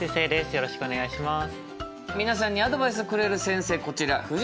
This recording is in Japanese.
よろしくお願いします。